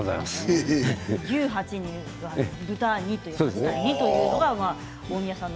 牛８豚２というのが大宮さんの。